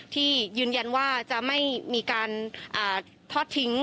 ที่ยืนยันว่าจะไม่มีการทอดทิ้ง